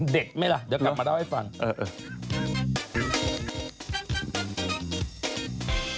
ไหมล่ะเดี๋ยวกลับมาเล่าให้ฟังเออเออ